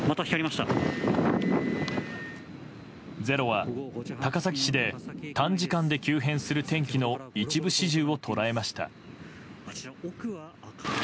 「ｚｅｒｏ」は高崎市で短時間で急変する天気の一部始終を捉えました。